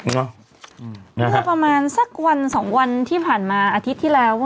เมื่อประมาณสักวันสองวันที่ผ่านมาอาทิตย์ที่แล้ว